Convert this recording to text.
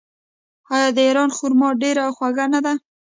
آیا د ایران خرما ډیره خوږه نه ده؟